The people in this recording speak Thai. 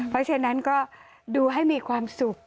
เพราะฉะนั้นก็ดูให้มีความสุข